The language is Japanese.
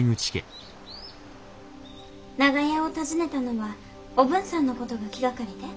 長屋を訪ねたのはおぶんさんの事が気がかりで？